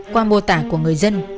qua mô tả của người dân